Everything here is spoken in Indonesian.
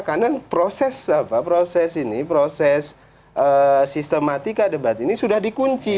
karena proses apa proses ini proses sistematika debat ini sudah dikunci